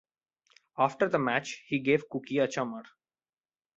After the match he gave Cookie a "Chummer".